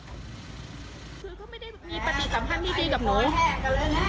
คือก็ไม่ได้มีปฏิสัมพันธ์ที่ดีกับหนู